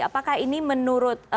apakah ini menurut